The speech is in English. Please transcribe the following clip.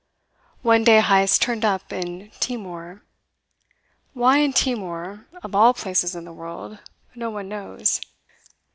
One day Heyst turned up in Timor. Why in Timor, of all places in the world, no one knows.